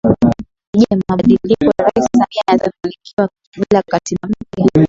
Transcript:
Je mabadiliko ya Rais Samia yatafanikiwa bila Katiba mpya